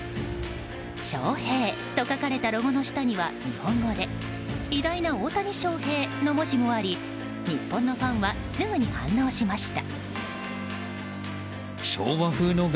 「ショウヘイ」と書かれたロゴの下には日本語で「偉大な大谷翔平」の文字もあり日本のファンはすぐに反応しました。